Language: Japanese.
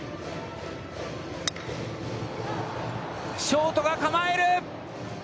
ショートが構える。